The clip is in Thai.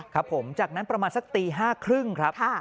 ครับผมจากนั้นประมาณสักตี๕๓๐ครับ